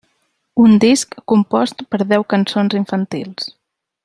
Un disc compost per deu cançons infantils.